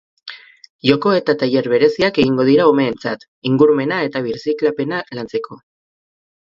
Joko eta tailer bereziak egingo dira umeentzat, ingurumena eta birziklapena lantzeko.